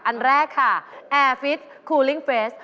อันแรกค่ะแอร์ฟิศคูลิงเฟส